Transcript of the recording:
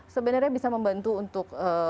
sebenarnya bisa membantu untuk